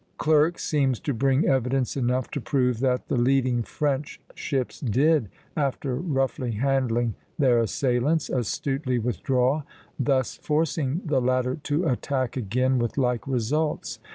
Clerk seems to bring evidence enough to prove that the leading French ships did, after roughly handling their assailants, astutely withdraw (C) thus forcing the latter to attack again with like results.